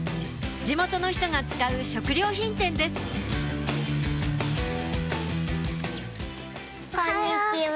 地元の人が使う食料品店ですこんにちは。